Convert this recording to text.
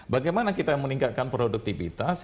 bagaimana kita meningkatkan produktivitas